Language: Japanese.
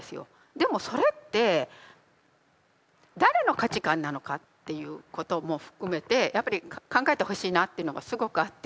でもそれって誰の価値観なのかということも含めてやっぱり考えてほしいなっていうのがすごくあって。